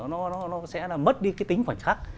nó sẽ mất đi cái tính khoảnh khắc